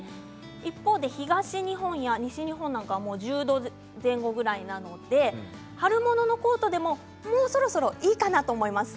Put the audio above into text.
一方で東日本や西日本なんかは１０度前後ぐらいなので春物のコートでも、もうそろそろいいかなと思います。